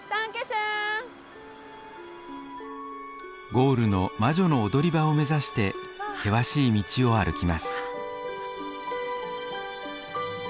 ゴールの魔女の踊り場を目指して険しい道を歩きます。